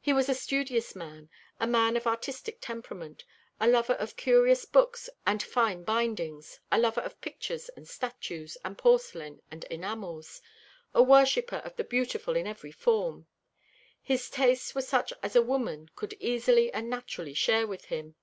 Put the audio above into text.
He was a studious man, a man of artistic temperament, a lover of curious books and fine bindings, a lover of pictures and statues, and porcelain and enamels a worshipper of the beautiful in every form. His tastes were such as a woman could easily and naturally share with him.